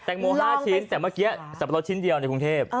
งโม๕ชิ้นแต่เมื่อกี้สับปะรดชิ้นเดียวในกรุงเทพ